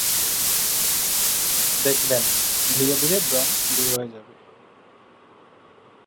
দেখবেন, ধীরে ধীরে ব্রণ দূর হয়ে যাবে।